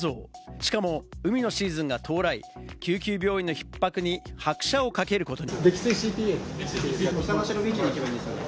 しかも海のシーズンが到来、救急病院のひっ迫に拍車をかけることに。